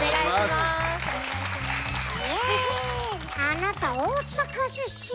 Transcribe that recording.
あなた大阪出身なの？